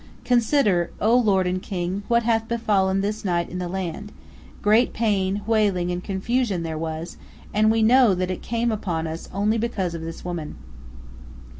Consider, also, O lord and king, what hath befallen this night in the land; great pain, wailing, and confusion there was, and we know that it came upon us only because of this woman."